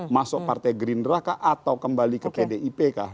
masuk partai gerindra kah atau kembali ke pdip kah